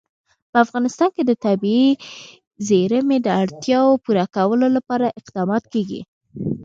په افغانستان کې د طبیعي زیرمې د اړتیاوو پوره کولو لپاره اقدامات کېږي.